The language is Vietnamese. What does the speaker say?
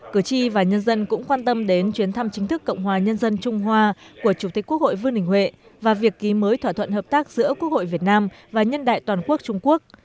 cử tri và nhân dân cũng quan tâm đến chuyến thăm chính thức cộng hòa nhân dân trung hoa của chủ tịch quốc hội vương đình huệ và việc ký mới thỏa thuận hợp tác giữa quốc hội việt nam và nhân đại toàn quốc trung quốc